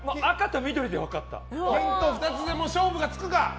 ヒント２つで勝負がつくか。